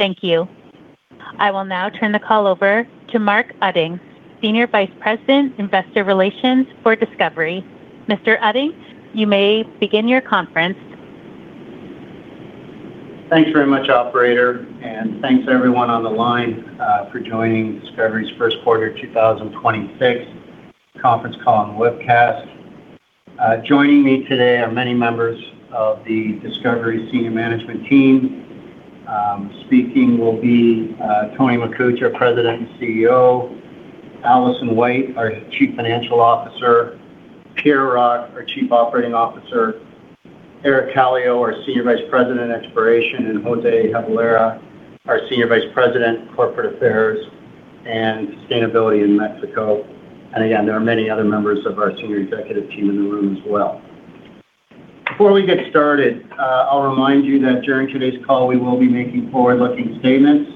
Thank you. I will now turn the call over to Mark Utting, Senior Vice President, Investor Relations for Discovery. Mr. Utting, you may begin your conference. Thanks very much, operator. Thanks everyone on the line for joining Discovery's First Quarter 2026 Conference Call and Webcast. Joining me today are many members of the Discovery senior management team. Speaking will be Tony Makuch, our President and CEO, Alison White, our Chief Financial Officer, Pierre Rocque, our Chief Operating Officer, Eric Kallio, our Senior Vice President, Exploration, and José Jabalera, our Senior Vice President, Corporate Affairs and Sustainability in Mexico. Again, there are many other members of our senior executive team in the room as well. Before we get started, I'll remind you that during today's call, we will be making forward-looking statements.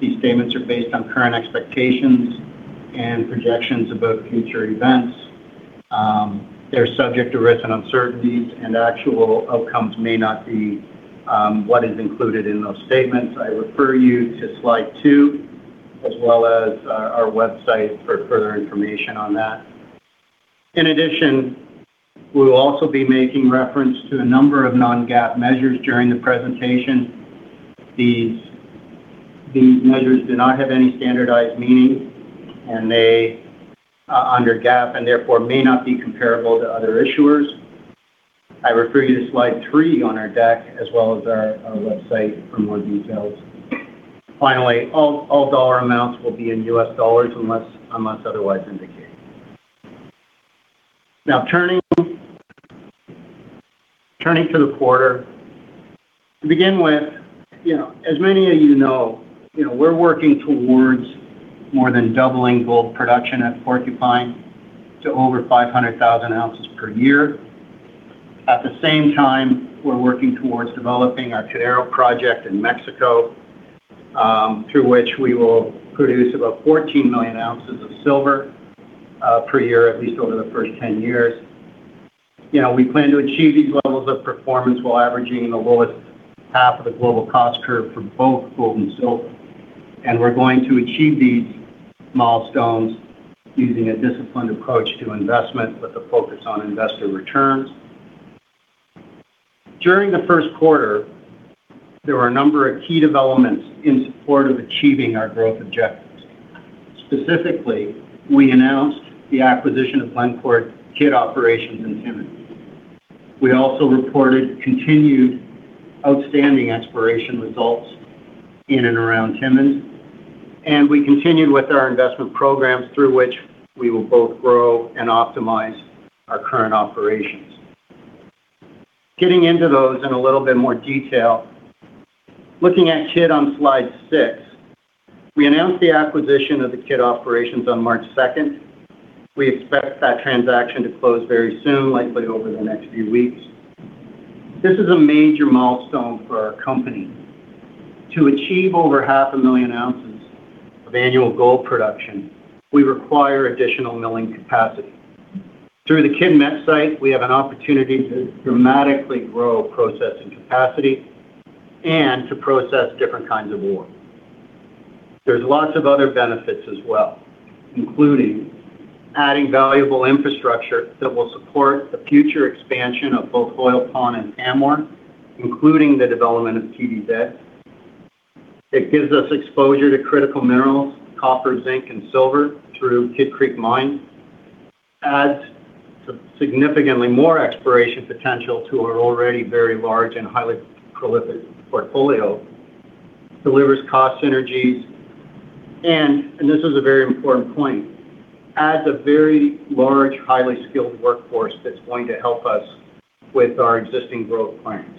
These statements are based on current expectations and projections about future events. They're subject to risks and uncertainties, and actual outcomes may not be what is included in those statements. I refer you to slide 2 as well as our website for further information on that. In addition, we'll also be making reference to a number of non-GAAP measures during the presentation. These measures do not have any standardized meaning, and they under GAAP, and therefore may not be comparable to other issuers. I refer you to slide 3 on our deck as well as our website for more details. Finally, all dollar amounts will be in U.S. dollars unless otherwise indicated. Now, turning to the quarter, to begin with, you know, as many of you know, you know, we're working towards more than doubling gold production at Porcupine to over 500,000 ounces per year. At the same time, we're working towards developing our Cordero project in Mexico, through which we will produce about 14 million ounces of silver per year, at least over the first 10 years. You know, we plan to achieve these levels of performance while averaging in the lowest half of the global cost curve for both gold and silver. We're going to achieve these milestones using a disciplined approach to investment with a focus on investor returns. During the first quarter, there were a number of key developments in support of achieving our growth objectives. Specifically, we announced the acquisition of Kidd operations in Timmins. We also reported continued outstanding exploration results in and around Timmins, and we continued with our investment programs through which we will both grow and optimize our current operations. Getting into those in a little bit more detail, looking at Kidd on slide 6, we announced the acquisition of the Kidd operations on March 2nd. We expect that transaction to close very soon, likely over the next few weeks. This is a major milestone for our company. To achieve over 500,000 ounces of annual gold production, we require additional milling capacity. Through the Kidd Met Site, we have an opportunity to dramatically grow processing capacity and to process different kinds of ore. There is lots of other benefits as well, including adding valuable infrastructure that will support the future expansion of both Hoyle Pond and Pamour, including the development of TVZ. It gives us exposure to critical minerals, copper, zinc, and silver through Kidd Creek Mine, adds significantly more exploration potential to our already very large and highly prolific portfolio, delivers cost synergies, and this is a very important point, adds a very large, highly skilled workforce that's going to help us with our existing growth plans.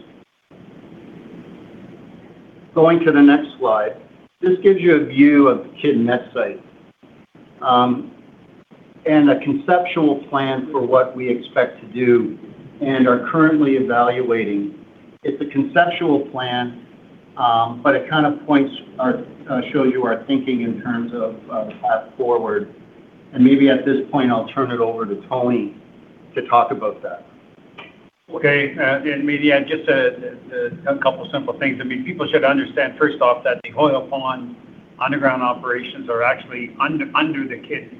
Going to the next slide, this gives you a view of the Kidd Met Site and a conceptual plan for what we expect to do and are currently evaluating. It's a conceptual plan, it kind of points our shows you our thinking in terms of the path forward. Maybe at this point, I'll turn it over to Tony to talk about that. Okay. And maybe, and just, a couple simple things. I mean, people should understand first off that the Hoyle Pond underground operations are actually under the Kidd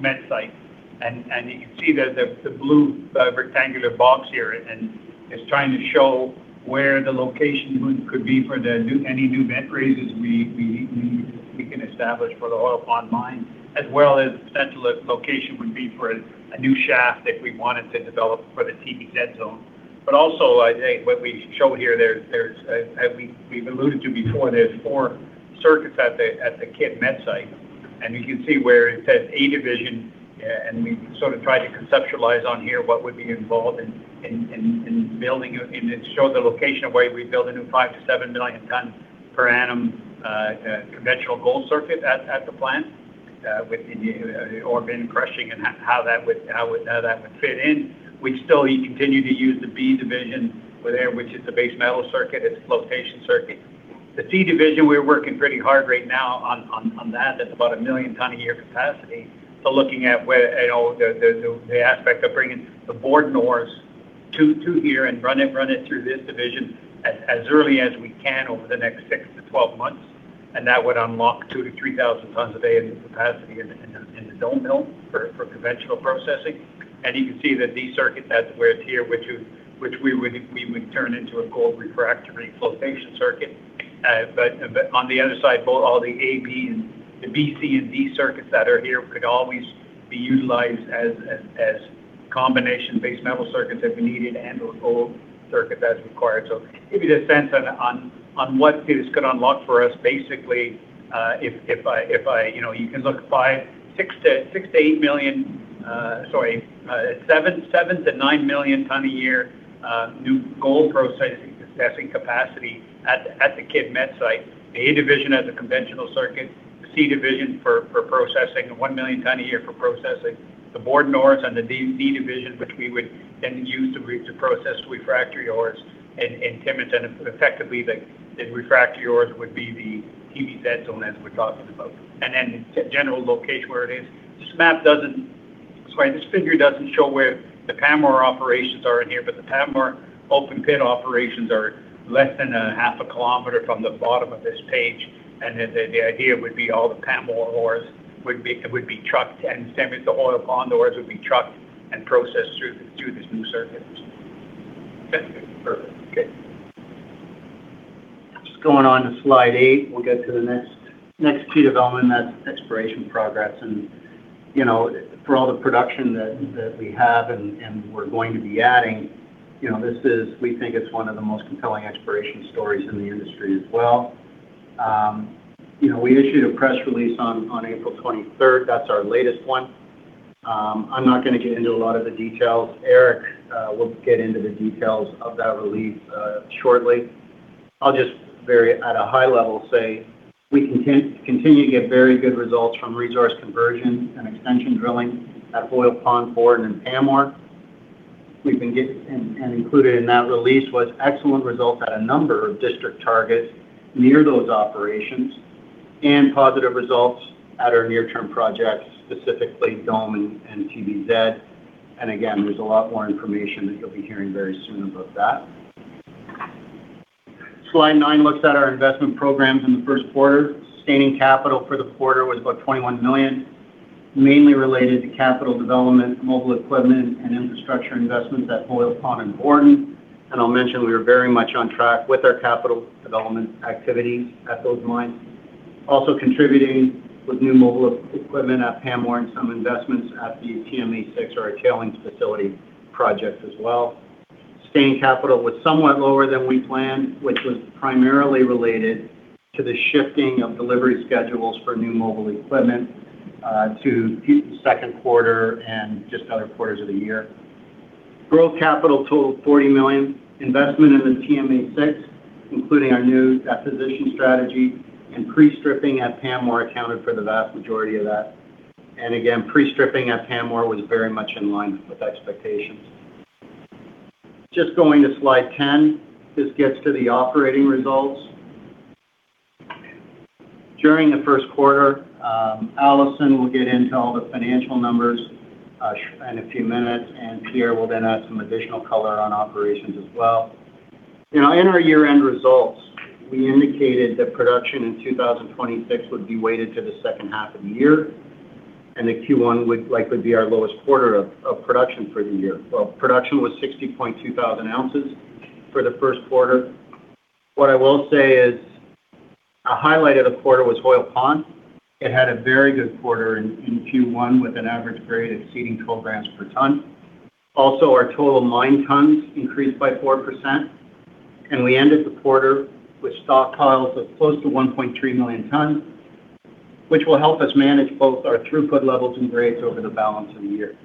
Met Site. You can see the blue rectangular box here, and it's trying to show where the location could be for any new vent raises we can establish for the Hoyle Pond Mine, as well as potential location would be for a new shaft if we wanted to develop for the TVZ zone. I think what we show here, there's we've alluded to before, there's four circuits at the Kidd Met Site. You can see where it says A division, and we sort of tried to conceptualize on here what would be involved in building a new 5 million ton-7 million ton per annum conventional gold circuit at the plant with the Borden crushing and how that would fit in. We'd still continue to use the B division there, which is the base metal circuit, its flotation circuit. The C division, we're working pretty hard right now on that. That's about a 1 million ton a year capacity. Looking at where the aspect of bringing the Borden ores To here and run it through this division as early as we can over the next 6 months-12 months, that would unlock 2,000 tons- 3,000 tons of A&M capacity in the Dome Mill for conventional processing. You can see that these circuits, that's where it's here, which we would turn into a gold refractory flotation circuit. On the other side, both all the AB and the BC and D circuits that are here could always be utilized as combination-based metal circuits if we needed, and/or gold circuit as required. To give you a sense on what this could unlock for us, basically, You know, you can look sorry, 7 million ton-9 million ton a year new gold processing, processing capacity at the Kidd Met Site. The A division as a conventional circuit, C division for processing, and 1 million ton a year for processing. The Borden ores and the D division, which we would then use to process refractory ores at Timmins, effectively the refractory ores would be the TVZ zone as we're talking about. The general location where it is. Sorry, this figure doesn't show where the Pamour operations are in here, but the Pamour open pit operations are less than a half a kilometer from the bottom of this page. The idea would be all the Pamour ores would be trucked, and same as the Hoyle Pond ores, would be trucked and processed through this new circuit. That's perfect. Okay. Just going on to slide 8, we'll get to the next key development, and that's exploration progress. You know, for all the production that we have and we're going to be adding, you know, this is we think it's one of the most compelling exploration stories in the industry as well. You know, we issued a press release on April 23rd. That's our latest one. I'm not gonna get into a lot of the details. Eric will get into the details of that release shortly. I'll just very at a high level say we continue to get very good results from resource conversion and extension drilling at Hoyle Pond, Borden, and Pamour. Included in that release was excellent results at a number of district targets near those operations and positive results at our near-term projects, specifically Dome and TVZ. Again, there's a lot more information that you'll be hearing very soon about that. Slide 9 looks at our investment programs in the first quarter. Sustaining capital for the quarter was about $21 million, mainly related to capital development, mobile equipment, and infrastructure investments at Hoyle Pond and Borden. I'll mention we are very much on track with our capital development activities at those mines. Also contributing with new mobile equipment at Pamour and some investments at the TMA 6, our tailings facility project as well. Sustaining capital was somewhat lower than we planned, which was primarily related to the shifting of delivery schedules for new mobile equipment to second quarter and just other quarters of the year. Growth capital totaled $40 million. Investment in the TMA 6, including our new deposition strategy and pre-stripping at Pamour accounted for the vast majority of that. Again, pre-stripping at Pamour was very much in line with expectations. Just going to slide 10, this gets to the operating results. During the first quarter, Alison will get into all the financial numbers in a few minutes, and Pierre will then add some additional color on operations as well. You know, in our year-end results, we indicated that production in 2026 would be weighted to the second half of the year, and the Q1 would likely be our lowest quarter of production for the year. Well, production was 60,200 ounces for the first quarter. What I will say is a highlight of the quarter was Hoyle Pond. It had a very good quarter in Q1 with an average grade exceeding 12 grams per tonne. Also, our total mine tonnes increased by 4%, and we ended the quarter with stockpiles of close to 1.3 million tonnes, which will help us manage both our throughput levels and grades over the balance of the year.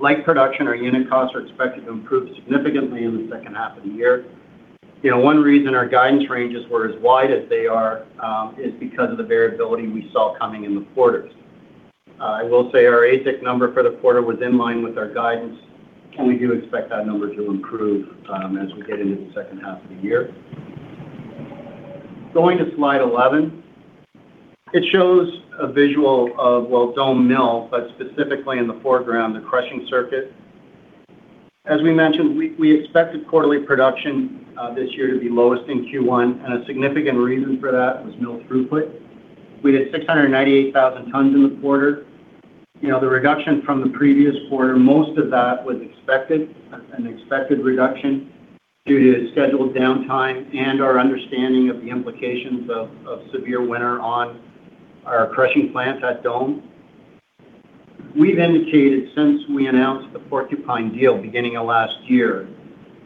Like production, our unit costs are expected to improve significantly in the second half of the year. You know, one reason our guidance ranges were as wide as they are, is because of the variability we saw coming in the quarters. I will say our AISC number for the quarter was in line with our guidance, and we do expect that number to improve as we get into the second half of the year. Going to slide 11, it shows a visual of, well, Dome Mill, but specifically in the foreground, the crushing circuit. As we mentioned, we expected quarterly production this year to be lowest in Q1, and a significant reason for that was mill throughput. We did 698,000 tonnes in the quarter. You know, the reduction from the previous quarter, most of that was expected, an expected reduction due to scheduled downtime and our understanding of the implications of severe winter on our crushing plant at Dome. We've indicated since we announced the Porcupine deal beginning of last year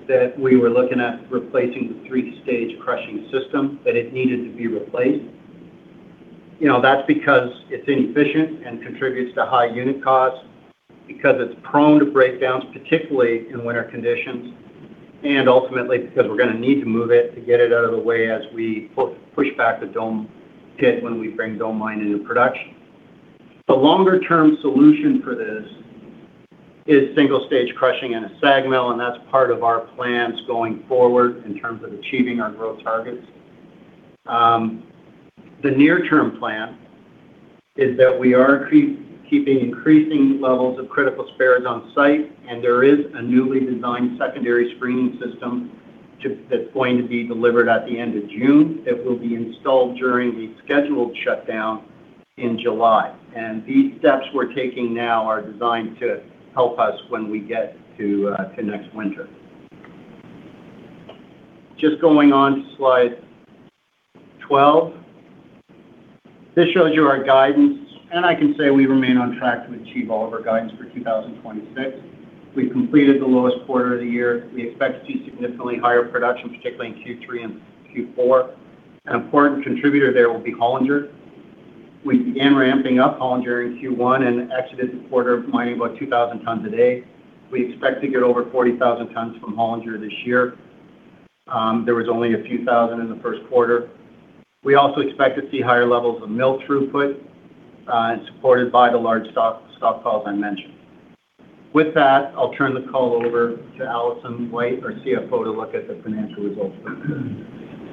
that we were looking at replacing the three-stage crushing system, that it needed to be replaced. You know, that's because it's inefficient and contributes to high unit costs, because it's prone to breakdowns, particularly in winter conditions, and ultimately because we're gonna need to move it to get it out of the way as we push back the Dome pit when we bring Dome Mill into production. The longer-term solution for this is single-stage crushing and a SAG mill, and that's part of our plans going forward in terms of achieving our growth targets. The near-term plan is that we are keeping increasing levels of critical spares on site, and there is a newly designed secondary screening system that's going to be delivered at the end of June that will be installed during the scheduled shutdown in July. These steps we're taking now are designed to help us when we get to next winter. Just going on to slide 12. This shows you our guidance, and I can say we remain on track to achieve all of our guidance for 2026. We've completed the lowest quarter of the year. We expect to see significantly higher production, particularly in Q3 and Q4. An important contributor there will be Hollinger. We began ramping up Hollinger in Q1 and exited the quarter mining about 2,000 tons a day. We expect to get over 40,000 tons from Hollinger this year. There was only a few thousand in the first quarter. We also expect to see higher levels of mill throughput, and supported by the large stock piles I mentioned. With that, I'll turn the call over to Alison White, our CFO, to look at the financial results for today.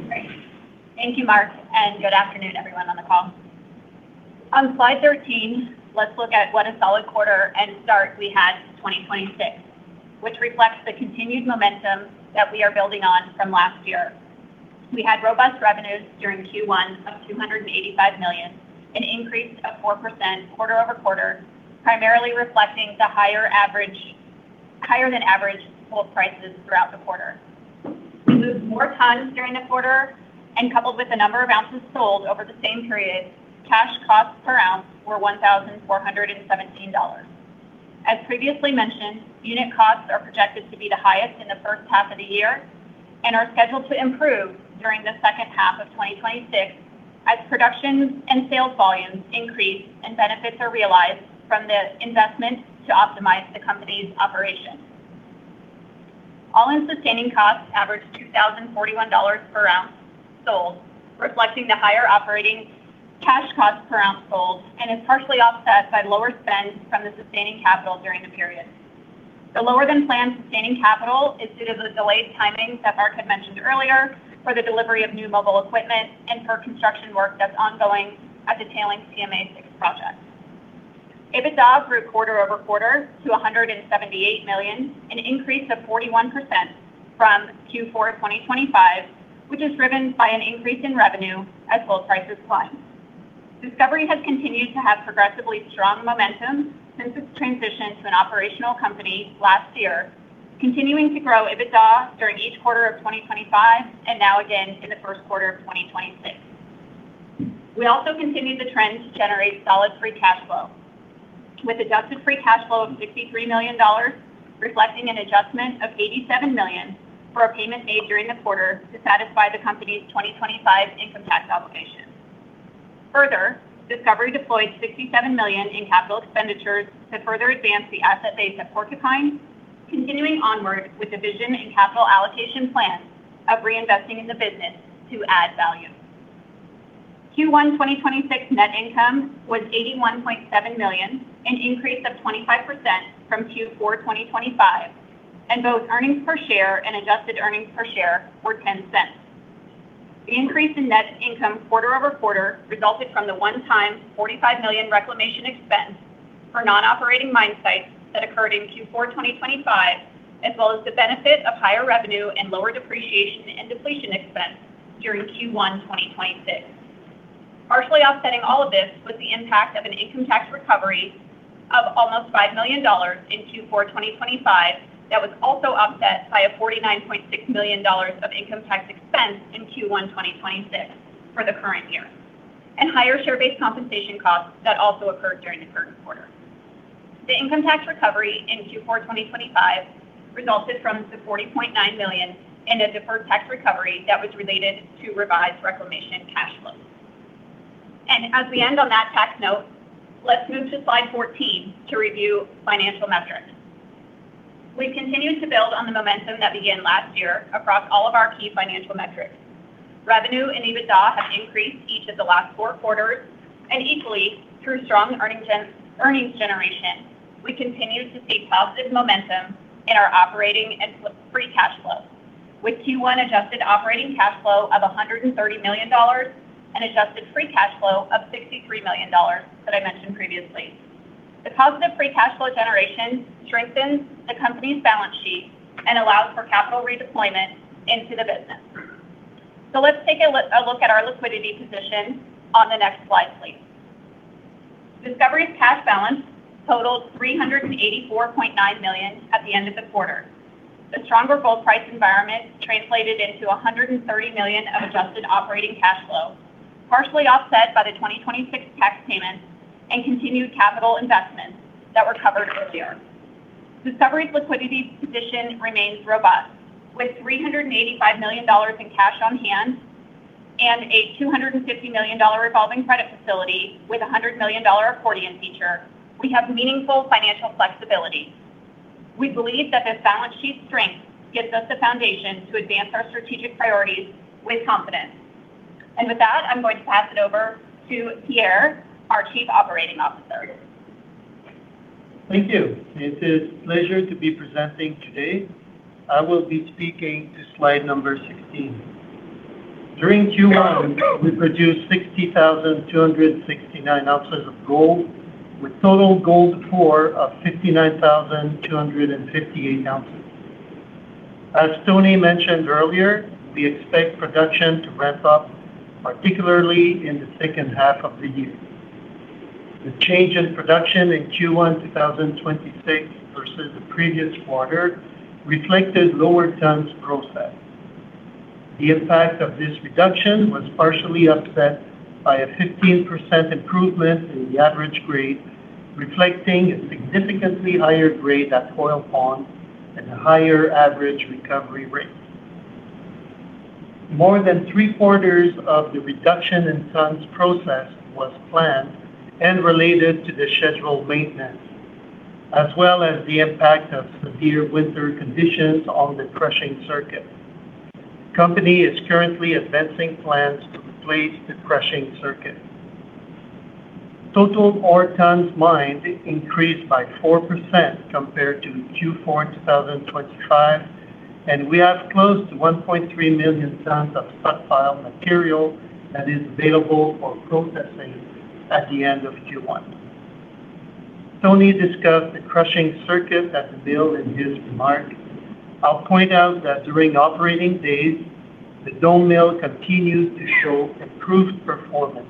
Great. Thank you, Mark, and good afternoon everyone on the call. On slide 13, let's look at what a solid quarter and start we had to 2026, which reflects the continued momentum that we are building on from last year. We had robust revenues during Q1 of $285 million, an increase of 4% quarter-over-quarter, primarily reflecting the higher than average gold prices throughout the quarter. This four times during the quarter and coupled with the number of ounces sold over the same period, cash costs per ounce were $1,417. As previously mentioned, unit costs are projected to be the highest in the first half of the year and are scheduled to improve during the second half of 2026 as production and sales volumes increase and benefits are realized from the investment to optimize the company's operations. All-in sustaining costs averaged $2,041 per ounce sold, reflecting the higher operating cash costs per ounce sold and is partially offset by lower spend from the sustaining capital during the period. The lower than planned sustaining capital is due to the delayed timing that Mark had mentioned earlier for the delivery of new mobile equipment and for construction work that's ongoing at the Tailings TMA 6 project. EBITDA grew quarter-over-quarter to $178 million, an increase of 41% from Q4 2025, which is driven by an increase in revenue as gold prices climb. Discovery has continued to have progressively strong momentum since its transition to an operational company last year, continuing to grow EBITDA during each quarter of 2025 and now again in the first quarter of 2026. We also continued the trend to generate solid free cash flow, with adjusted free cash flow of $63 million, reflecting an adjustment of $87 million for a payment made during the quarter to satisfy the company's 2025 income tax obligation. Discovery deployed $67 million in capital expenditures to further advance the asset base at Porcupine, continuing onward with the vision and capital allocation plans of reinvesting in the business to add value. Q1 2026 net income was $81.7 million, an increase of 25% from Q4 2025, and both earnings per share and adjusted earnings per share were $0.10. The increase in net income quarter-over-quarter resulted from the one-time $45 million reclamation expense for non-operating mine sites that occurred in Q4 2025, as well as the benefit of higher revenue and lower depreciation and depletion expense during Q1 2026. Partially offsetting all of this was the impact of an income tax recovery of almost $5 million in Q4 2025 that was also offset by a $49.6 million of income tax expense in Q1 2026 for the current year, and higher share-based compensation costs that also occurred during the current quarter. The income tax recovery in Q4 2025 resulted from the $40.9 million in a deferred tax recovery that was related to revised reclamation cash flows. As we end on that tax note, let's move to slide 14 to review financial metrics. We've continued to build on the momentum that began last year across all of our key financial metrics. Revenue and EBITDA increased each of the last four quarters and equally, through strong earnings generation, we continue to see positive momentum in our operating and free cash flow with Q1 adjusted operating cash flow of $130 million and adjusted free cash flow of $63 million that I mentioned previously. The positive free cash flow generation strengthens the company's balance sheet and allows for capital redeployment into the business. Let's take a look at our liquidity position on the next slide, please. Discovery's cash balance totaled $384.9 million at the end of the quarter. The stronger gold price environment translated into $130 million of adjusted operating cash flow, partially offset by the 2026 tax payment and continued capital investments that were covered earlier. Discovery's liquidity position remains robust. With $385 million in cash on hand and a $250 million revolving credit facility with a $100 million accordion feature, we have meaningful financial flexibility. We believe that this balance sheet strength gives us the foundation to advance our strategic priorities with confidence. With that, I'm going to pass it over to Pierre, our Chief Operating Officer. Thank you. It is a pleasure to be presenting today. I will be speaking to slide number 16. During Q1, we produced 60,269 ounces of gold, with total gold pour of 59,258 ounces. As Tony mentioned earlier, we expect production to ramp up, particularly in the second half of the year. The change in production in Q1 2026 versus the previous quarter reflected lower tonnes processed. The impact of this reduction was partially offset by a 15% improvement in the average grade, reflecting a significantly higher grade at Hoyle Pond and a higher average recovery rate. More than three-quarters of the reduction in tonnes processed was planned and related to the scheduled maintenance, as well as the impact of severe winter conditions on the crushing circuit. The company is currently advancing plans to replace the crushing circuit. Total ore tonnes mined increased by 4% compared to Q4 2025. We have close to 1.3 million tonnes of stockpiled material that is available for processing at the end of Q1. Tony discussed the crushing circuit at the mill in his remarks. I'll point out that during operating days, the Dome Mill continued to show improved performance.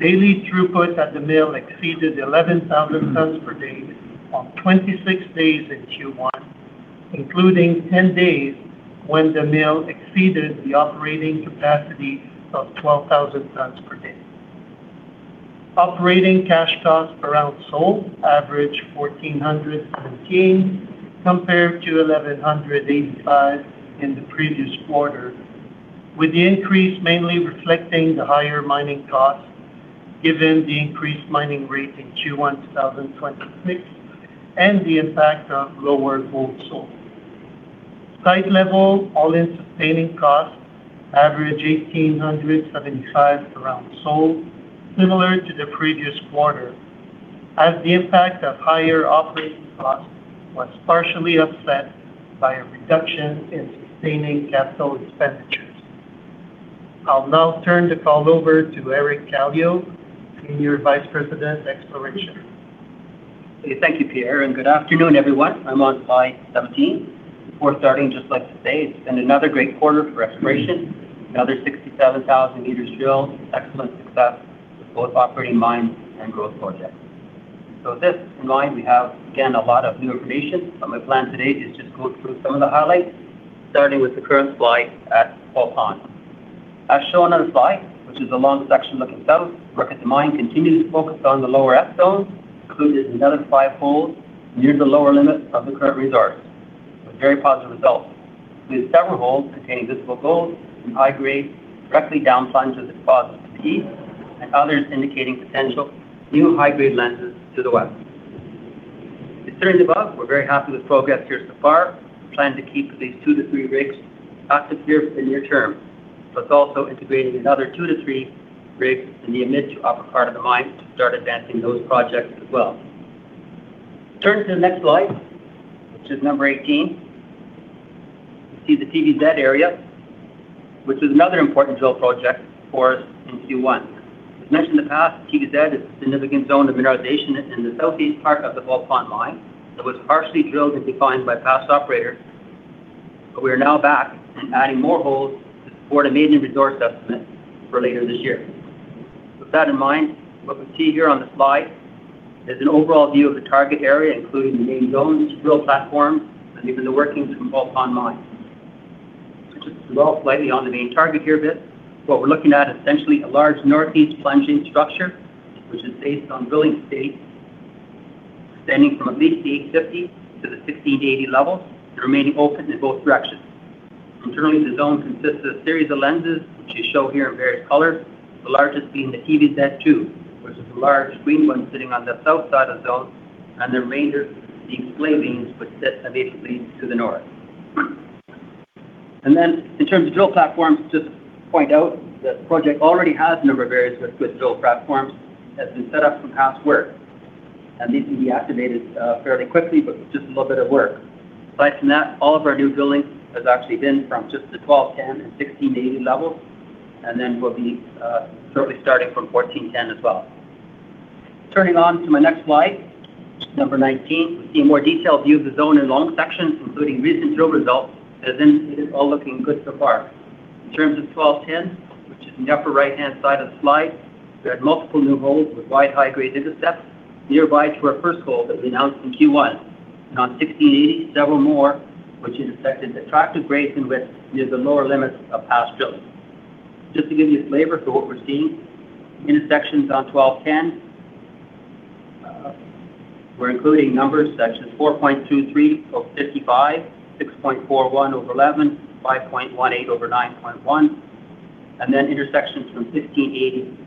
Daily throughput at the mill exceeded 11,000 tonnes per day on 26 days in Q1, including 10 days when the mill exceeded the operating capacity of 12,000 tonnes per day. Operating cash costs per ounce sold averaged $1,417 compared to $1,185 in the previous quarter, with the increase mainly reflecting the higher mining costs given the increased mining rate in Q1 2026 and the impact of lower gold sold. Site level all-in sustaining costs averaged $1,875 per ounce sold, similar to the previous quarter, as the impact of higher operating costs was partially offset by a reduction in sustaining capital expenditures. I'll now turn the call over to Eric Kallio, Senior Vice President, Exploration. Okay, thank you, Pierre. Good afternoon, everyone. I'm on slide 17. Before starting, just like to say it's been another great quarter for exploration. Another 67,000 meters drilled with excellent success with both operating mines and growth projects. With this in mind, we have, again, a lot of new information, my plan today is just to go through some of the highlights, starting with the current slide at Hoyle Pond. As shown on the slide, which is a long section looking south, work at the mine continues focused on the lower S Zone, including another five holes near the lower limit of the current resource, with very positive results. We have several holes containing visible gold and high grades directly down plunge with deposit P and others indicating potential new high-grade lenses to the west. In terms of those, we're very happy with progress here so far and plan to keep at least 2 rigs-3 rigs active here in the near term. Plus also integrating another 2 rigs-3 rigs in the mid to upper part of the mine to start advancing those projects as well. Turning to the next slide, which is number 18, we see the TVZ area, which was another important drill project for us in Q1. As mentioned in the past, TVZ is a significant zone of mineralization in the southeast part of the Hoyle Pond mine that was partially drilled and defined by past operators, but we are now back and adding more holes to support a maiden resource estimate for later this year. With that in mind, what we see here on the slide is an overall view of the target area, including the Main Zone, drill platform, and even the workings from Hoyle Pond mine. Just to dwell slightly on the main target here a bit, what we're looking at is essentially a large northeast plunging structure, which is based on drilling to date, extending from at least the 850 to the 1,680 level and remaining open in both directions. Internally, the zone consists of a series of lenses, which you show here in various colors, the largest being the TVZ2, which is the large green one sitting on the south side of the zone, and the remainder being clay bins, which sit immediately to the north. In terms of drill platforms, just to point out that the project already has a number of areas with drill platforms that have been set up from past work, and these can be activated fairly quickly with just a little bit of work. Aside from that, all of our new drilling has actually been from just the 1210 and 1680 levels, and then we'll be shortly starting from 1410 as well. Turning on to my next slide, number 19, we see a more detailed view of the zone in long section, including recent drill results that has indicated it's all looking good so far. In terms of 1210, which is in the upper right-hand side of the slide, we had multiple new holes with wide high-grade intercepts nearby to our first hole that we announced in Q1. On 1680, several more, which intersected attractive grades and widths near the lower limits of past drilling. Just to give you a flavor for what we're seeing, intersections on 1210, we're including numbers sections 4.23 over 55, 6.41 over 11, 5.18 over 9.1, intersections from 1680,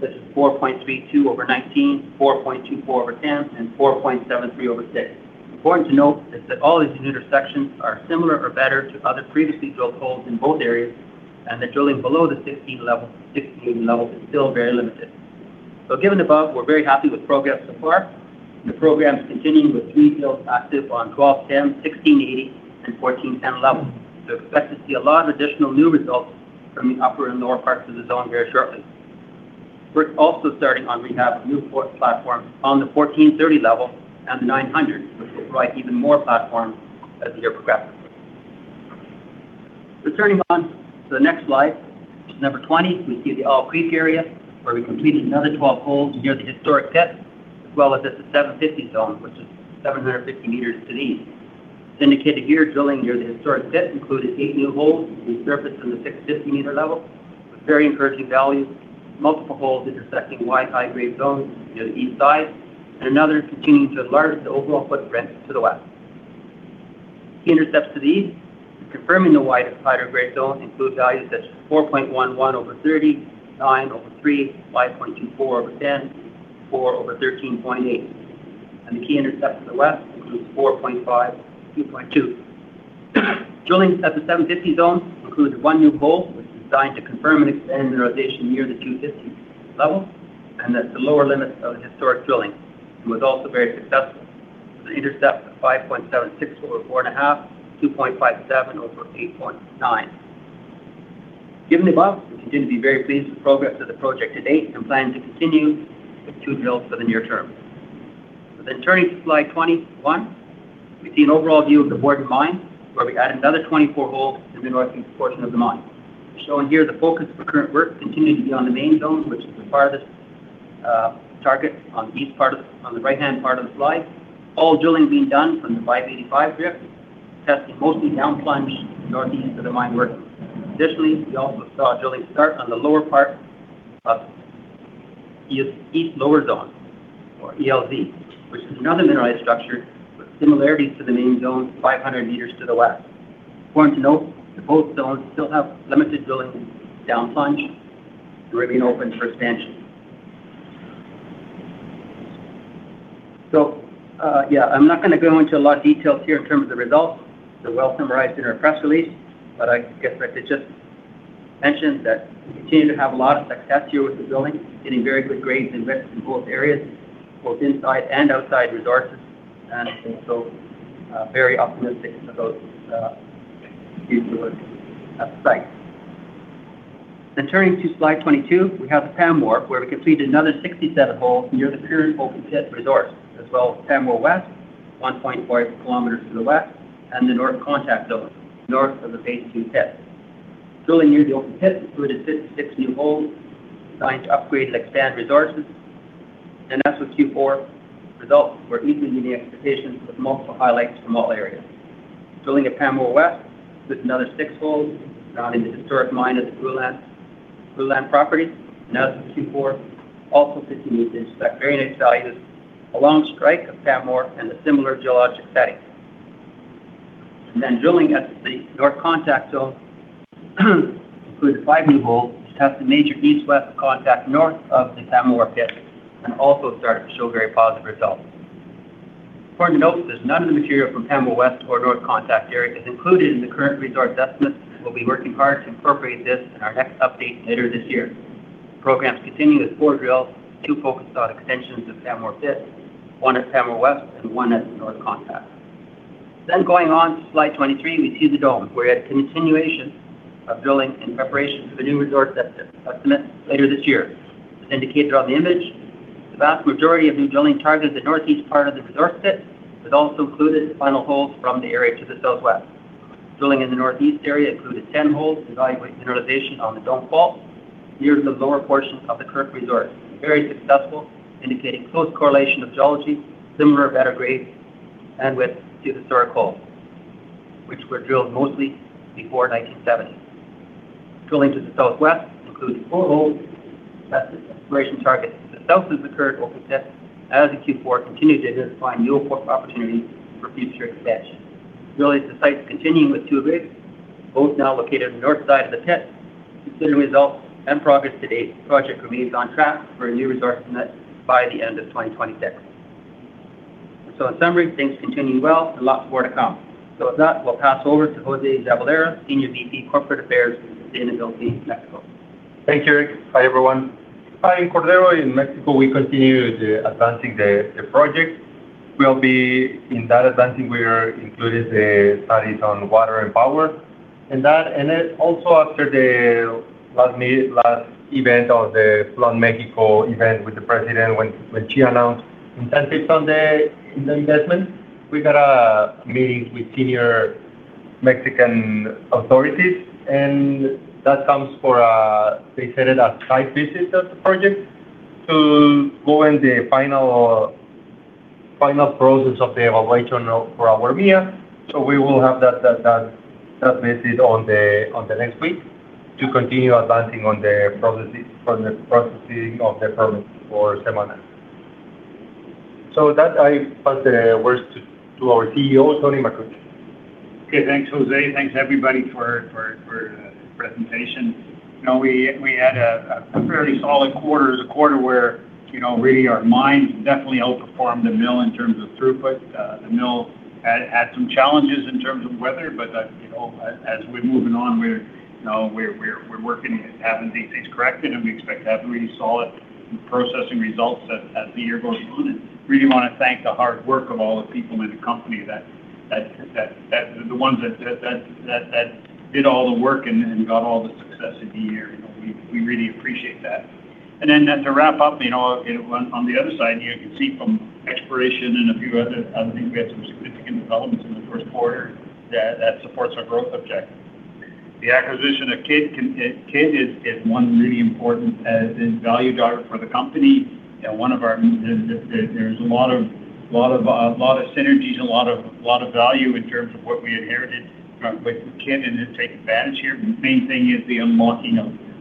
such as 4.32 over 19, 4.24 over 10, and 4.73 over 6. Important to note is that all of these intersections are similar or better to other previously drilled holes in both areas. The drilling below the 16 level is still very limited. Given the above, we're very happy with progress so far. The program's continuing with three drills active on 1210, 1680, and 1410 levels. Expect to see a lot of additional new results from the upper and lower parts of the zone very shortly. We're also starting on rehab of new 4th platform on the 1430 level and the 900, which will provide even more platforms as the year progresses. Returning on to the next slide, which is number 20, we see the Owl Creek area, where we completed another 12 holes near the historic pit, as well as at the 750 zone, which is 750 m to the east. Indicated here, drilling near the historic pit included eight new holes resurfaced from the 650-meter level with very encouraging values, multiple holes intersecting wide, high-grade zones near the east side, and another continuing to enlarge the overall footprint to the west. Key intercepts to the east confirming the wide of higher-grade zone include values such as 4.11 over 39 over 3, 5.24 over 10, 4 over 13.8. The key intercepts to the west includes 4.5, 2.2. Drilling at the 750 zone includes 1 new hole, which is designed to confirm and extend mineralization near the 250 level and at the lower limits of historic drilling and was also very successful with an intercept of 5.76 over four and a half, 2.57 over 8.9. Given the above, we continue to be very pleased with progress of the project to date and plan to continue with two drills for the near term. Turning to slide 21, we see an overall view of the Borden Mine, where we added another 24 holes in the northeast portion of the mine. We're showing here the focus for current work continuing to be on the main zone, which is the farthest target on the right-hand part of the slide. All drilling being done from the 585 drift, testing mostly down plunge northeast of the mine workings. Additionally, we also saw drilling start on the lower part of the East Lower Zone or ELZ, which is another mineralized structure with similarities to the main zone 500 m to the west. Important to note that both zones still have limited drilling down plunge remaining open for expansion. Yeah, I'm not gonna go into a lot of details here in terms of the results. They're well summarized in our press release, I guess I could just mention that we continue to have a lot of success here with the drilling, getting very good grades and widths in both areas, both inside and outside resources. I think so, very optimistic about the future of the site. Turning to slide 22, we have the Pamour, where we completed another 67 holes near the current open pit resource, as well as Pamour West, 1.48 km to the west, and the North Contact Zone, north of the phase 2 pit. Drilling near the open pit included six new holes designed to upgrade and expand resources. That's what Q4 results were easily meeting expectations with multiple highlights from all areas. Drilling at Pamour West with another six holes found in the historic mine at the Broulan property. As of Q4, also continued to intersect very nice values along strike of Pamour and a similar geologic setting. Drilling at the North Contact Zone included five new holes to test the major east-west contact north of the Pamour pit and also started to show very positive results. Important to note that none of the material from Pamour West or North Contact area is included in the current resource estimate, and we'll be working hard to incorporate this in our next update later this year. The program's continuing with four drills, two focused on extensions of Pamour pit, one at Pamour West and one at the North Contact. Going on to slide 23, we see the Dome, where we had continuation of drilling in preparation for the new resource estimate later this year. As indicated on the image, the vast majority of new drilling targets the northeast part of the resource pit but also included final holes from the area to the southwest. Drilling in the northeast area included 10 holes to evaluate mineralization on the Dome Fault, near the lower portions of the current resource, and very successful, indicating close correlation of geology, similar better grades and width to the historic holes, which were drilled mostly before 1970. Drilling to the southwest included four holes to test the exploration target to the south of the current open pit, as the Q4 continued to identify new growth opportunities for future expansion. Drilling at the site's continuing with two rigs, both now located on the north side of the pit. Considering results and progress to date, the project remains on track for a new resource estimate by the end of 2022. In summary, things continue well, and lots more to come. With that, we'll pass over to José Jabalera, Senior VP Corporate Affairs and Sustainability, Mexico. Thank you, Eric. Hi, everyone. In Cordero, in Mexico, we continue to advancing the project. In that advancing, we are including the studies on water and power in that. Also after the last event or the Flood in Mexico event with the president when she announced incentives on the investment, we got meetings with senior Mexican authorities, and that comes for, they scheduled a site visit at the project to go in the final process of the evaluation for our MIA. We will have that visit on the next week to continue advancing on the processing of the permits for SEMARNAT. With that, I pass the words to our CEO, Tony Makuch. Okay. Thanks, José. Thanks, everybody, for the presentation. You know, we had a fairly solid quarter. It was a quarter where, you know, really our mines definitely outperformed the mill in terms of throughput. The mill had some challenges in terms of weather, but, you know, as we're moving on, we're, you know, we're working at having these things corrected, and we expect to have really solid processing results as the year goes on. Really want to thank the hard work of all the people in the company that did all the work and got all the success of the year. You know, we really appreciate that. To wrap up, you know, on the other side, you can see from exploration and a few other things, we had some significant developments in the first quarter that supports our growth objective. The acquisition of Kidd is one really important value driver for the company and one of our There's a lot of synergies and a lot of value in terms of what we inherited from, with Kidd and then take advantage here. The main thing is the unlocking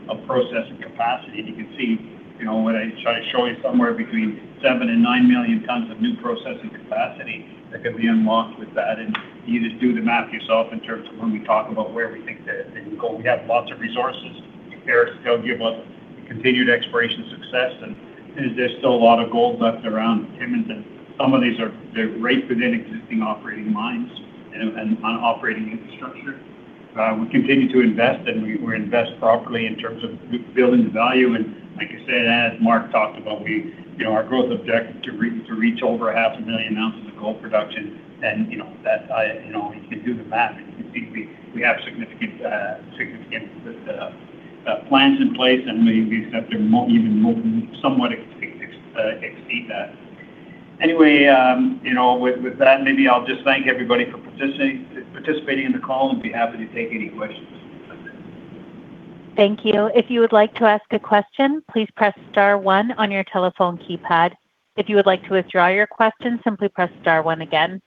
of processing capacity. You can see, you know, when I try to show you somewhere between 7 million-9 million tons of new processing capacity that can be unlocked with that. You just do the math yourself in terms of when we talk about where we think that it can go. We have lots of resources if Eric still give us continued exploration success and there's still a lot of gold left around Timmins and some of these are, they're right within existing operating mines and on operating infrastructure. We continue to invest and we invest properly in terms of building the value, and like I said, as Mark talked about, we, you know, our growth objective to reach over half a million ounces of gold production. You know, that's, I, you know, if you do the math, you see we have significant plans in place and we expect to even somewhat exceed that. You know, with that, maybe I'll just thank everybody for participating in the call and be happy to take any questions. Thank you. If you would like to ask a question, please press star one on your telephone keypad. If you would like to withdraw your question, simply press star one again.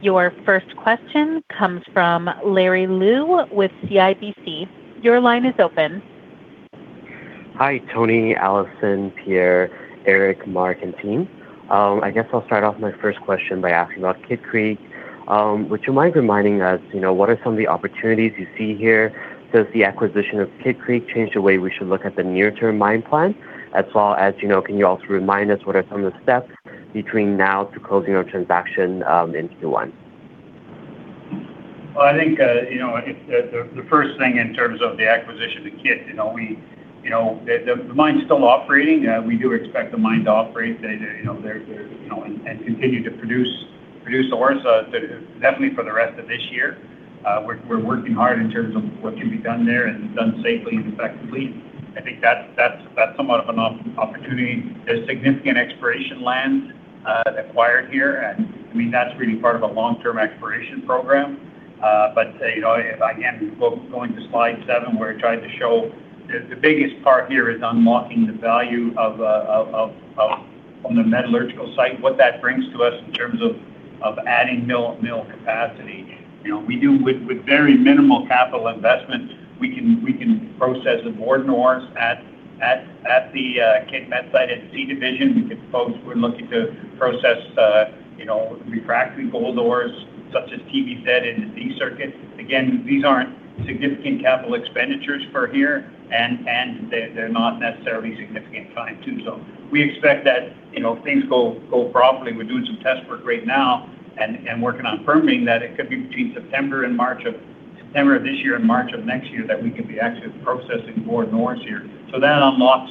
Your first question comes from Larry Liu with CIBC. Your line is open. Hi, Tony, Alison, Pierre, Eric, Mark, and team. I guess I'll start off my first question by asking about Kidd Creek. Would you mind reminding us, you know, what are some of the opportunities you see here? Does the acquisition of Kidd Creek change the way we should look at the near-term mine plan? As well as, you know, can you also remind us what are some of the steps between now to closing our transaction into one? Well, I think, you know, it's the first thing in terms of the acquisition of Kidd, you know, we, you know, the mine's still operating. We do expect the mine to operate, you know, there, you know, and continue to produce the ores, definitely for the rest of this year. We're working hard in terms of what can be done there and done safely and effectively. I think that's somewhat of an opportunity. There's significant exploration lands acquired here, and I mean, that's really part of a long-term exploration program. But, you know, if I can, going to slide 7, where I tried to show the biggest part here is unlocking the value of on the metallurgical site. What that brings to us in terms of adding mill capacity. You know, we do with very minimal capital investment. We can process the ore to ores at the Kidd Met Site at the C division. We're looking to process, you know, refractory gold ores such as TVZ in the D circuit. Again, these aren't significant capital expenditures for here, and they're not necessarily significant time too. We expect that, you know, things go properly. We're doing some test work right now and working on firming that it could be between September of this year and March of next year that we could be actually processing more ores here. That unlocks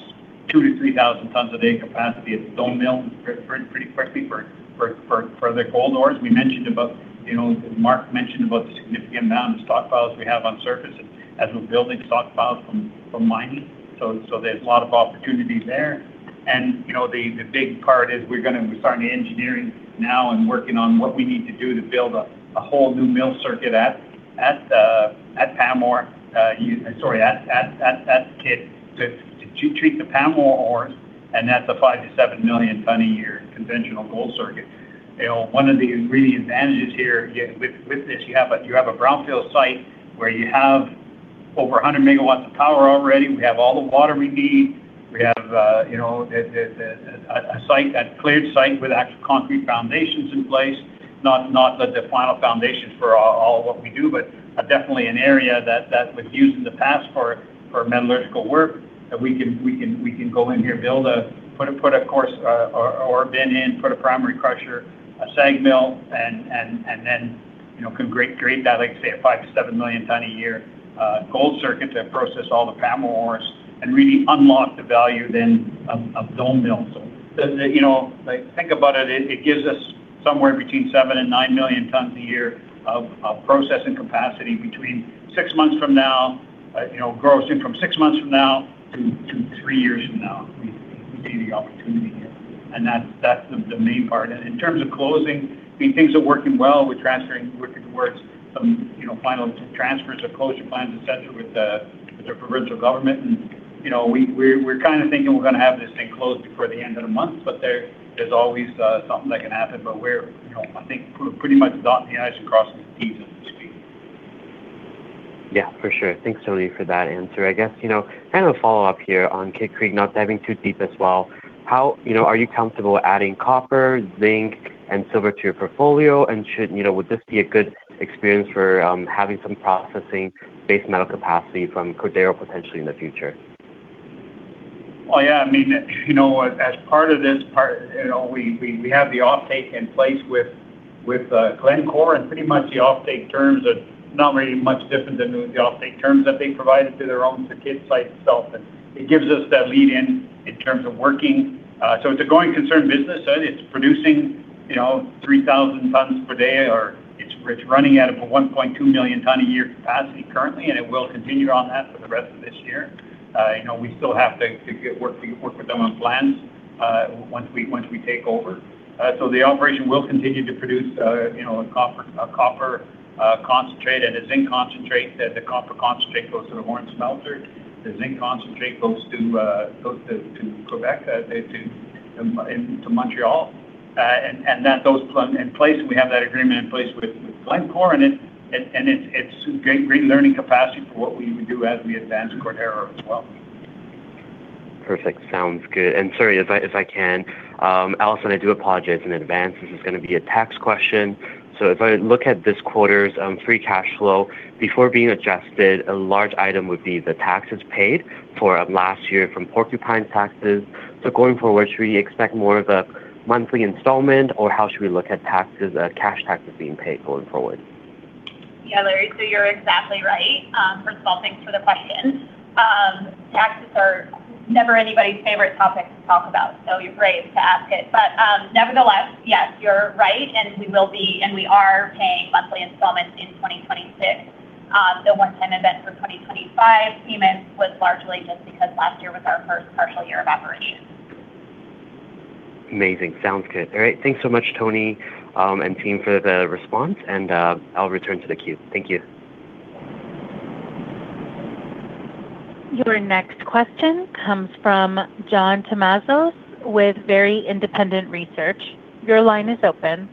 2,000 tons-3,000 tons a day capacity at the Dome Mill pretty quickly for the gold ores. We mentioned about, you know, Mark mentioned about the significant amount of stockpiles we have on surface as we're building stockpiles from mining. There's a lot of opportunity there. You know, the big part is we're going to be starting the engineering now and working on what we need to do to build a whole new mill circuit at Pamour. Sorry, at Kidd to treat the Pamour ores, and that's a 5 million-7 million ton a year conventional gold circuit. You know, one of the really advantages here with this, you have a brownfield site where you have over 100 MW of power already. We have all the water we need. We have, you know, a site, a cleared site with actual concrete foundations in place. Not the final foundations for all of what we do, but definitely an area that was used in the past for metallurgical work that we can go in here, build a coarse ore bin in, put a primary crusher, a SAG mill, and then, you know, can grade that, like say, a 5 million-7 million ton a year gold circuit to process all the Pamour ores and really unlock the value then of Dome Mill. You know, like, think about it. It gives us somewhere between 7 million and 9 million tons a year of processing capacity between six months from now, you know, grossing from six months from now to three years from now. We see the opportunity here. That's the main part. In terms of closing, I mean, things are working well. We're working towards some, you know, final transfers or closing plans, et cetera, with the provincial government. You know, we're kind of thinking we're gonna have this thing closed before the end of the month. There's always something that can happen. But we're, you know, I think we're pretty much dotting the i's and crossing the t's as we speak. Yeah, for sure. Thanks, Tony, for that answer. I guess, you know, kind of a follow-up here on Kidd Creek, not diving too deep as well. How, you know, are you comfortable adding copper, zinc, and silver to your portfolio? Should, you know, would this be a good experience for having some processing base metal capacity from Cordero potentially in the future? Yeah. I mean, you know, as part of this part, you know, we, we have the offtake in place with Glencore, and pretty much the offtake terms are not really much different than the offtake terms that they provided to their own Kidd site itself. It gives us that lead in terms of working. It's a going concern business. It's producing, you know, 3,000 tons per day, or it's running at a 1.2 million ton a year capacity currently, and it will continue on that for the rest of this year. You know, we still have to get work with them on plans once we, once we take over. The operation will continue to produce, you know, a copper concentrate and a zinc concentrate. The copper concentrate goes to the Horne Smelter. The zinc concentrate goes to Quebec, to Montreal. That goes in place, and we have that agreement in place with Glencore, and it's great learning capacity for what we would do as we advance Cordero as well. Perfect. Sounds good. Sorry, if I can, Alison, I do apologize in advance. This is going to be a tax question. If I look at this quarter's free cash flow, before being adjusted, a large item would be the taxes paid for last year from Porcupine taxes. Going forward, should we expect more of a monthly installment, or how should we look at taxes, cash taxes being paid going forward? Larry. You're exactly right. First of all, thanks for the question. Taxes are never anybody's favorite topic to talk about, so you're brave to ask it. Nevertheless, yes, you're right, and we will be, and we are paying monthly installments in 2026. The one-time event for 2025 payment was largely just because last year was our first partial year of operation. Amazing. Sounds good. All right. Thanks so much, Tony, and team for the response. I'll return to the queue. Thank you. Your next question comes from John Tumazos with Very Independent Research. Your line is open.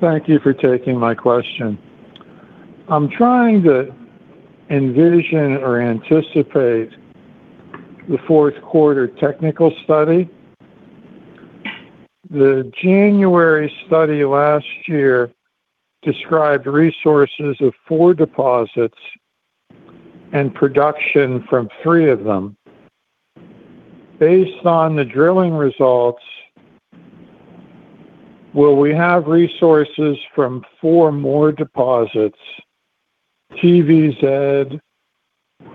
Thank you for taking my question. I'm trying to envision or anticipate the fourth quarter technical study. The January study last year described resources of four deposits and production from three of them. Based on the drilling results, will we have resources from four more deposits, TVZ,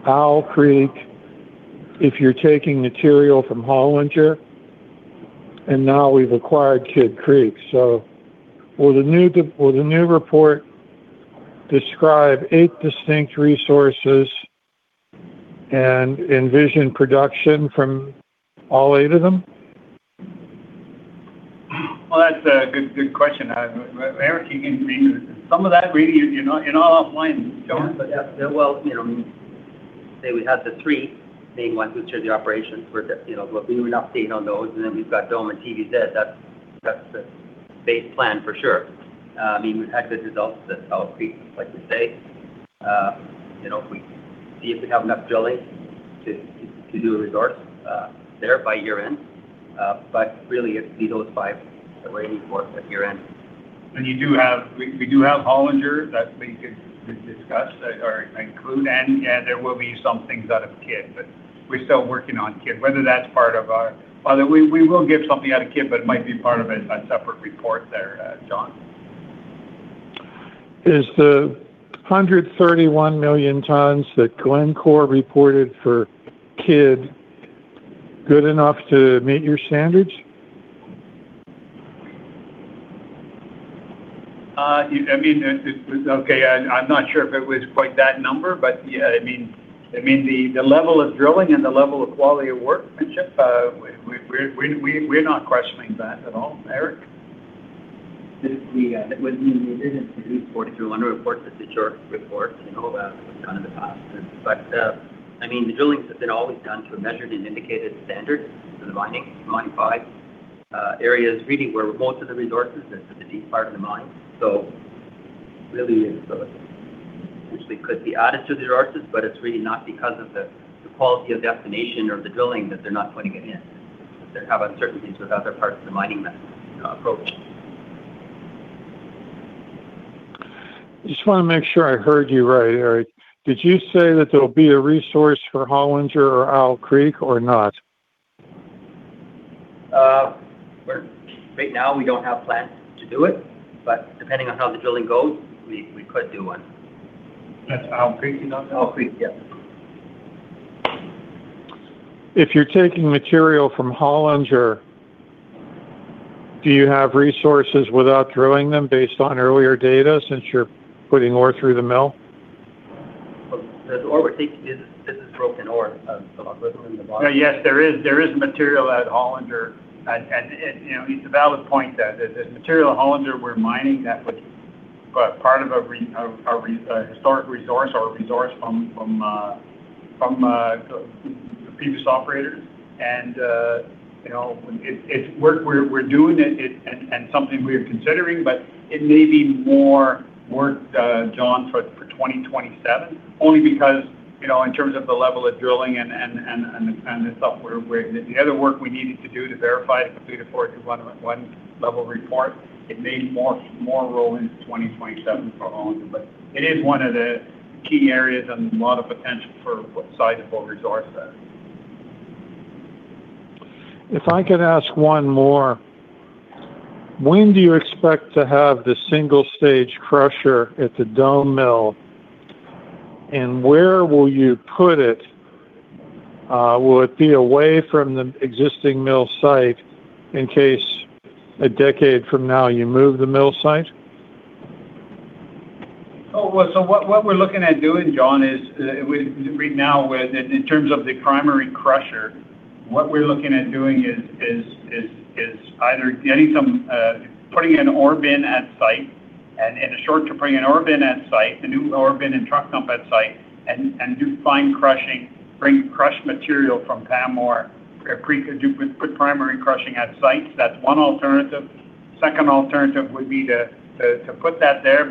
Owl Creek, if you're taking material from Hollinger, and now we've acquired Kidd Creek. Will the new report describe eight distinct resources and envision production from all eight of them? Well, that's a good question. Eric, you can chime in. Some of that really, you're not offline, John. Yeah, well, you know, say we have the three main ones, which are the operations for the, you know, we'll be doing update on those, and then we've got Dome and TVZ. That's the base plan for sure. I mean, we've had the results at Owl Creek, like you say. You know, we see if we have enough drilling to do a resource there by year-end. Really it's be those five that we're aiming for at year-end. You do have, we do have Hollinger that we could discuss or include. There will be some things out of Kidd. We are still working on Kidd. By the way, we will give something out of Kidd. It might be part of a separate report there, John. Is the 131 million tons that Glencore reported for Kidd good enough to meet your standards? I mean, it was, Okay. I'm not sure if it was quite that number, but yeah, I mean, the level of drilling and the level of quality of workmanship, we're not questioning that at all. Eric? I mean, we didn't do 43-101 report. That's a JORC report. We know that was done in the past. I mean, the drillings have been always done to a measured and indicated standard for the mining by areas really where most of the resources is in the deep part of the mine. Really, which they could be added to the resources, but it's really not because of the quality of definition of the drilling that they're not putting it in. They have uncertainties with other parts of the mining approach. Just wanna make sure I heard you right, Eric. Did you say that there'll be a resource for Hollinger or Owl Creek or not? Right now, we don't have plans to do it, but depending on how the drilling goes, we could do one. That's Owl Creek you're talking about? Owl Creek, yeah. If you're taking material from Hollinger, do you have resources without drilling them based on earlier data since you're putting ore through the mill? The ore we're taking, this is broken ore, so it's within the mine. Yes, there is material at Hollinger. You know, it's a valid point that the material at Hollinger we're mining, that was part of a historic resource or a resource from the previous operators. You know, it's work we're doing, and something we're considering, but it may be more work, John, for 2027, only because, you know, in terms of the level of drilling and the other work we needed to do to verify to complete a 43-101 level or a one level report, it may more roll into 2027 for Hollinger. It is one of the key areas and a lot of potential for sizable resource there. If I could ask one more. When do you expect to have the single stage crusher at the Dome Mill and where will you put it? Will it be away from the existing mill site in case a decade from now you move the mill site? What we're looking at doing, John, is right now with in terms of the primary crusher, what we're looking at doing is either getting some, putting an ore bin at site and a new ore bin and truck dump at site and do fine crushing, bring crushed material from Pamour, put primary crushing at site. That's one alternative. Second alternative would be to put that there.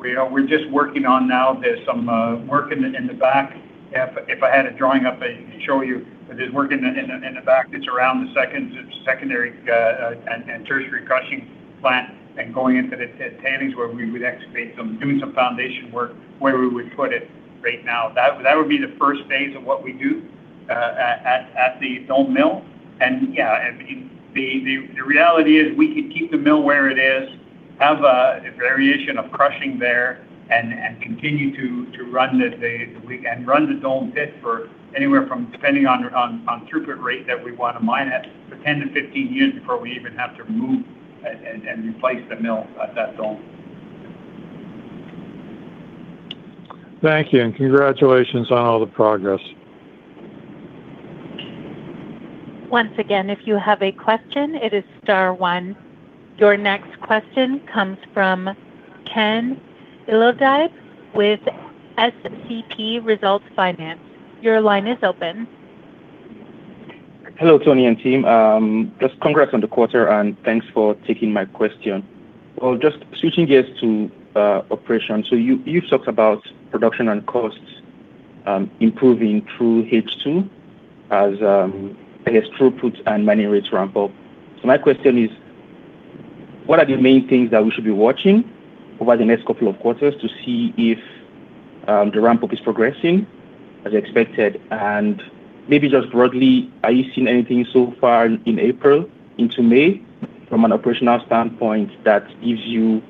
We're just working on now. There's some work in the back. If I had a drawing up, I'd show you. There's work in the back that's around the secondary and tertiary crushing plant and going into the tailings where we would excavate some, doing some foundation work where we would put it right now. That would be the first phase of what we do at the Dome Mill. Yeah, I mean, the reality is we could keep the mill where it is, have a variation of crushing there and continue to run, we can run the Dome pit for anywhere from, depending on throughput rate that we wanna mine at, for 10-15 years before we even have to move and replace the mill at that Dome. Thank you, and congratulations on all the progress. Once again, if you have a question, it is star one. Your next question comes from Ken Ilodibe with SCP Resource Finance. Your line is open. Hello, Tony and team. Just congrats on the quarter, and thanks for taking my question. Just switching gears to operations, you've talked about production and costs improving through H2 as I guess throughput and mining rates ramp up. My question is, what are the main things that we should be watching over the next couple of quarters to see if the ramp up is progressing as expected? Maybe just broadly, are you seeing anything so far in April into May from an operational standpoint that gives you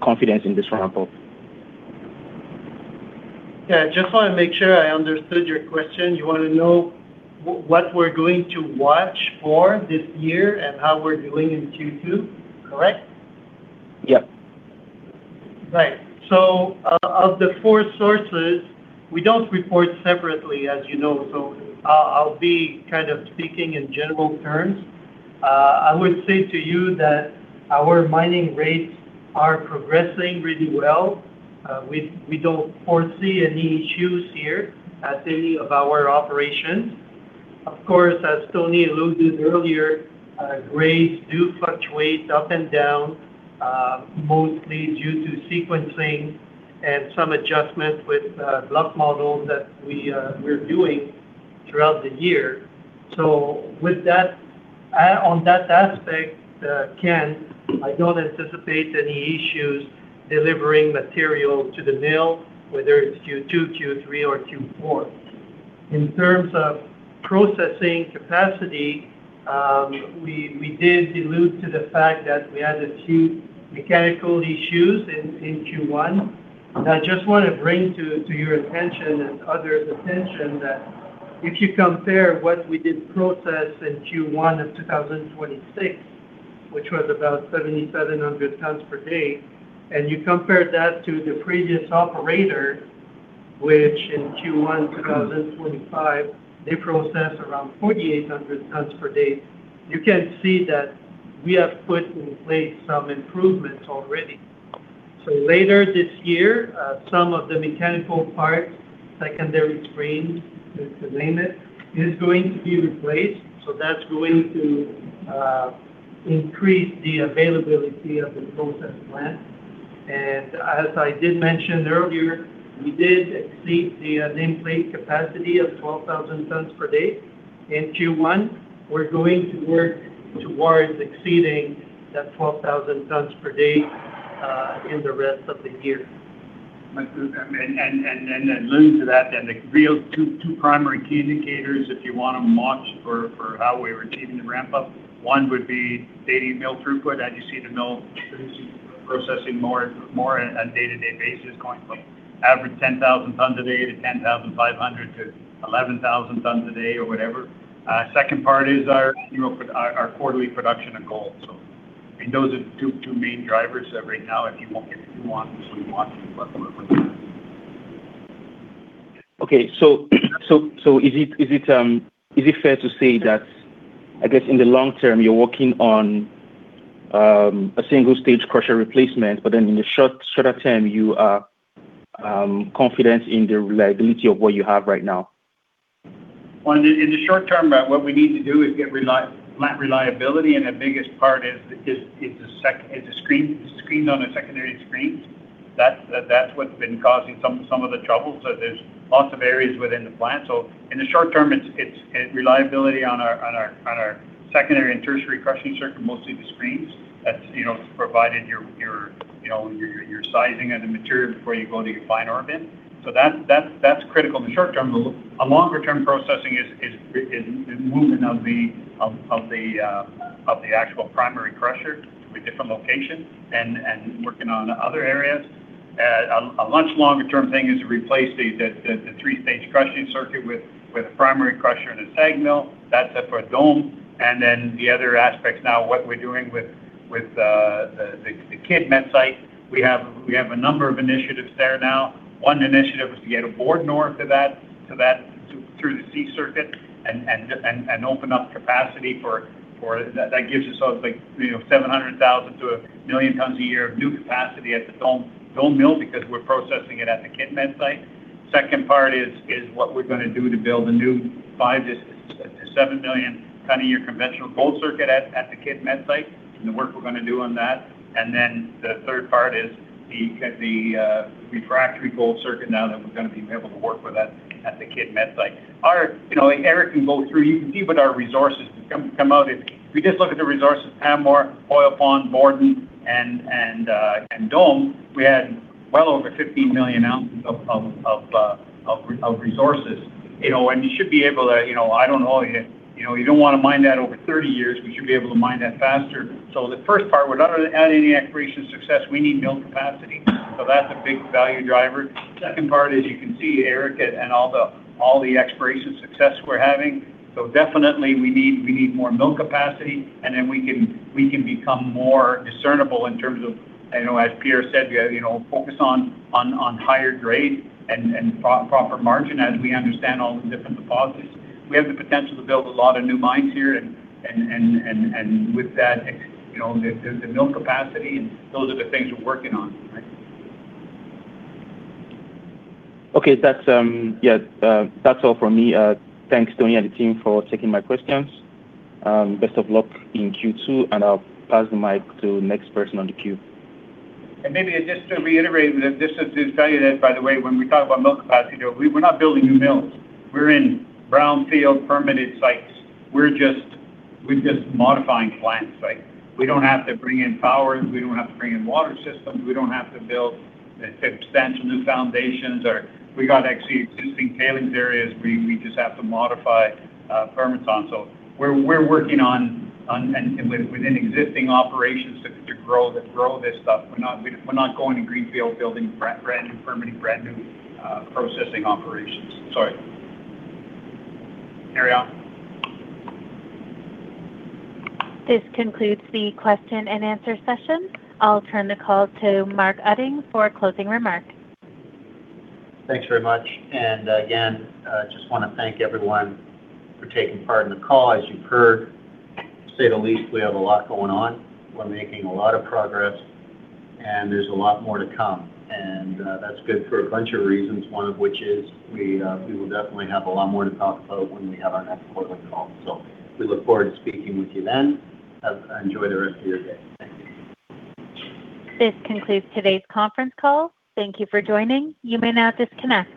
confidence in this ramp up? Yeah, just wanna make sure I understood your question. You wanna know what we're going to watch for this year and how we're doing in Q2, correct? Yeah. Right. Of the four sources, we don't report separately, as you know, I'll be kind of speaking in general terms. I would say to you that our mining rates are progressing really well. We don't foresee any issues here at any of our operations. Of course, as Tony alluded earlier, grades do fluctuate up and down, mostly due to sequencing and some adjustment with block models that we're doing throughout the year. With that, on that aspect, Ken, I don't anticipate any issues delivering material to the mill, whether it's Q2, Q3, or Q4. In terms of processing capacity, we did allude to the fact that we had a few mechanical issues in Q1. I just wanna bring to your attention and others' attention that if you compare what we did process in Q1 of 2026, which was about 7,700 tons per day, and you compare that to the previous operator, which in Q1 2025, they processed around 4,800 tons per day, you can see that we have put in place some improvements already. Later this year, some of the mechanical parts, secondary screens, to name it, is going to be replaced. That's going to increase the availability of the process plant. As I did mention earlier, we did exceed the in-place capacity of 12,000 tons per day in Q1. We're going to work towards exceeding that 12,000 tons per day in the rest of the year. Alluding to that then, the real two primary key indicators if you wanna watch for how we're achieving the ramp up, one would be daily mill throughput as you see the mill producing, processing more on a day-to-day basis, going from average 10,000 tons a day to 10,500 tons-11,000 tons a day or whatever. Second part is our, you know, our quarterly production of gold. Those are two main drivers that right now if you want, so you watch. Okay. Is it fair to say that, I guess in the long term, you're working on a single stage crusher replacement, but then in the shorter term, you are confident in the reliability of what you have right now? Well, in the, in the short term, what we need to do is get plant reliability, and the biggest part is the screen, the screens on the secondary screens. That's what's been causing some of the trouble. There's lots of areas within the plant. In the short term, it's reliability on our secondary and tertiary crushing circuit, mostly the screens. You know, you're sizing on the material before you go to your fine ore bin. That's critical in the short term. A longer term processing is movement of the actual primary crusher to a different location and working on other areas. A much longer term thing is to replace the three-stage crushing circuit with a primary crusher and a SAG mill. That's up for Dome. The other aspects now, what we're doing with the Kidd Met Site, we have a number of initiatives there now. One initiative is to get a Borden ore to that, to that through the C circuit and open up capacity for That gives us like, you know, 700,000 to 1 million tons a year of new capacity at the Dome Mill because we're processing it at the Kidd Met Site. Second part is what we're gonna do to build a new 5 million-7 million ton a year conventional gold circuit at the Kidd Met Site, and the work we're gonna do on that. The third part is the refractory gold circuit now that we're gonna be able to work with at the Kidd Met Site. Our You know, like Eric can go through, you can see what our resources come out at. If we just look at the resources at Pamour, Hoyle Pond, Borden, and Dome, we had well over 15 million ounces of resources. You know, you should be able to, you know I don't know, you know, you don't wanna mine that over 30 years. We should be able to mine that faster. The first part, without adding any exploration success, we need mill capacity, so that's a big value driver. Second part is you can see, Eric, it, and all the exploration success we're having. Definitely we need more mill capacity, and then we can become more discernible in terms of, you know, as Pierre said, we, you know, focus on higher grade and proper margin as we understand all the different deposits. We have the potential to build a lot of new mines here and with that, you know, the mill capacity, and those are the things we're working on, right? Okay. That's all for me. Thanks Tony and the team for taking my questions. Best of luck in Q2, and I'll pass the mic to next person on the queue. Maybe just to reiterate, this is to tell you that, by the way, when we talk about mill capacity, you know, we're not building new mills. We're in brownfield permitted sites. We're just modifying plant site. We don't have to bring in power. We don't have to bring in water systems. We don't have to build substantial new foundations. We got actually existing tailings areas. We just have to modify permits on. We're working on and within existing operations to grow this stuff. We're not going to greenfield building brand-new permitting, brand-new processing operations. Sorry. Carry on. This concludes the question and answer session. I will turn the call to Mark Utting for closing remarks. Thanks very much. Again, just wanna thank everyone for taking part in the call. As you've heard, to say the least, we have a lot going on. We're making a lot of progress. There's a lot more to come. That's good for a bunch of reasons, one of which is we will definitely have a lot more to talk about when we have our next quarterly call. We look forward to speaking with you then. Enjoy the rest of your day. Thank you. This concludes today's conference call. Thank you for joining. You may now disconnect.